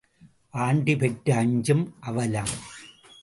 Aunty பெற்ற அஞ்சும் அவலம்.